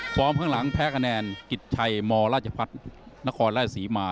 พร้อมข้างหลังแพ้ขนาดกริจชัยมรจพัฒนธ์นครราชสีมา